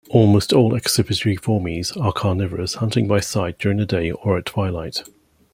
Almost all Accipitriformes are carnivorous, hunting by sight during the day or at twilight.